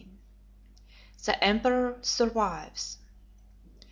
The Emperor Survives.